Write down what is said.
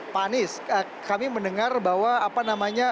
pak anies kami mendengar bahwa apa namanya